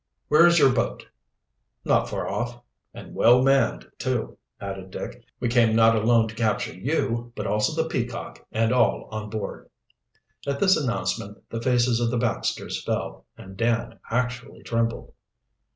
"Where is your boat?" "Not far off, and well manned, too," added Dick. "We came not alone to capture you, but also the Peacock and all on board." At this announcement the faces of the Baxters fell, and Dan actually trembled.